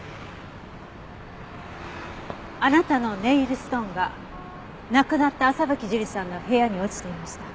あなたのネイルストーンが亡くなった朝吹樹里さんの部屋に落ちていました。